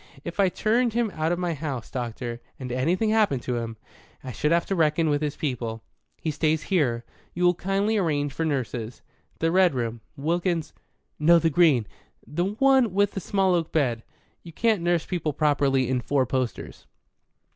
"If I turned him out of my house, doctor, and anything happened to him, I should have to reckon with his people. He stays here. You'll kindly arrange for nurses. The red room, Wilkins, no, the green the one with the small oak bed. You can't nurse people properly in four posters.